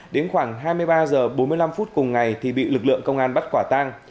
đến khoảng hai mươi ba h bốn mươi năm phút cùng ngày thì bị lực lượng công an bắt quả tang